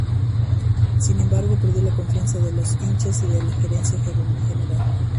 Sin embargo, perdió la confianza de los hinchas y de la gerencia general.